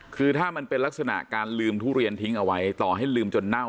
คือถ้ามันเป็นลักษณะการลืมทุเรียนทิ้งเอาไว้ต่อให้ลืมจนเน่า